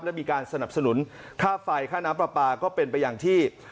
และมีการสนับสนุนค่าไฟค่าน้ำปลาปลาก็เป็นไปอย่างที่